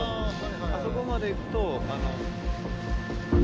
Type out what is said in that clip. あそこまで行くと。